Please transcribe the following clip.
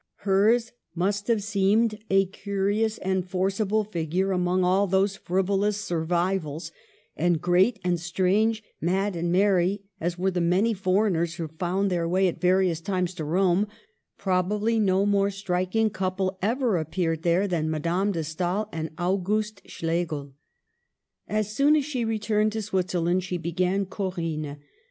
Hers must have seemed a curious and forcible figure among all those frivolous " survivals "; and great and strange, mad and merry as were the many foreigners who found their way at various times to Rome, probably no more striking cbuple ever appeared there than Madame de Stael and Auguste Schlegel. As soon as she returned to Switzerland she began Corinne.